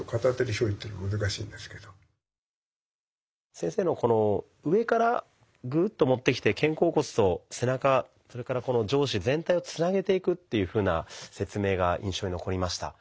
先生のこの上からグッと持ってきて肩甲骨と背中それからこの上肢全体をつなげていくというふうな説明が印象に残りました。